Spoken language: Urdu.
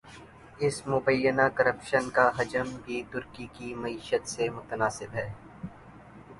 اس مبینہ کرپشن کا حجم بھی ترکی کی معیشت سے متناسب ہے۔